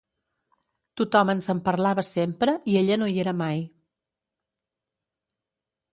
Tothom ens en parlava sempre, i ella no hi era mai.